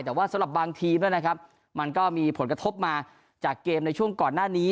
แต่ว่าสำหรับบางทีมนะครับมันก็มีผลกระทบมาจากเกมในช่วงก่อนหน้านี้